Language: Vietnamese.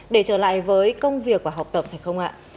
để trở lại với công việc và học tập phải không ạ